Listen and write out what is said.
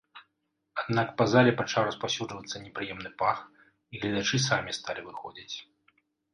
Аднак па зале пачаў распаўсюджвацца непрыемны пах і гледачы самі сталі выходзіць.